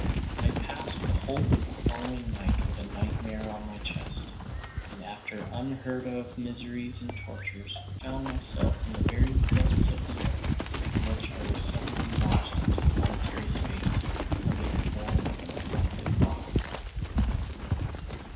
I passed the whole of the following night with a nightmare on my chest! and, after unheard of miseries and tortures, found myself in the very depths of the earth, from which I was suddenly launched into planetary space, under the form of an eruptive rock!